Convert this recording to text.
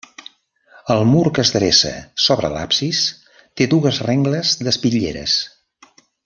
El mur que es dreça sobre l'absis té dues rengles d'espitlleres.